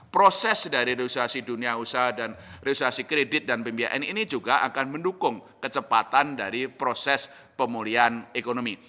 proses dari resoluasi dunia usaha dan resoluasi kredit dan pembiayaan ini juga akan mendukung kecepatan dari proses pemulihan ekonomi